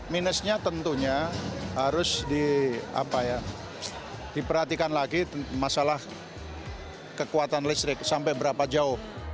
minusnya tentunya harus diperhatikan lagi masalah kekuatan listrik sampai berapa jauh